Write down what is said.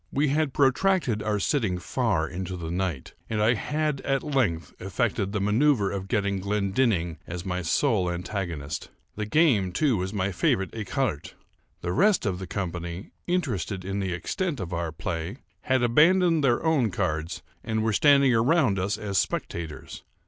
We had protracted our sitting far into the night, and I had at length effected the manoeuvre of getting Glendinning as my sole antagonist. The game, too, was my favorite écarté! The rest of the company, interested in the extent of our play, had abandoned their own cards, and were standing around us as spectators.